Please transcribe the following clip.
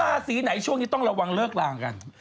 ราศีไหนช่วงนี้ต้องระวังเลิกลากัน